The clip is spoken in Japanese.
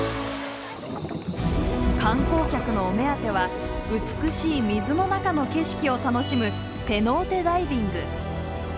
観光客のお目当ては美しい水の中の景色を楽しむセノーテ・ダイビング。